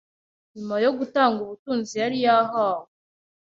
nyuma yo gutanga ubutunzi yari yahawe